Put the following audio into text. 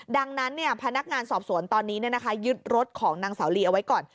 ดังนั้นพนักงานสอบสวนตอนนี้ยึดรถของนางสาวลีเอาไว้ก่อน